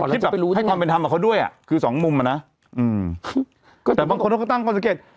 คือคิดแบบให้ความเป็นทำของเขาด้วยอ่ะคือสองมุมอ่ะนะอืมแต่บางคนเขาตั้งเขาสังเกต